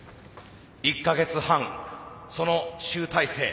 １か月半その集大成。